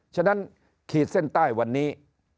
ฉะนั้นขีดเส้นใต้วันนี้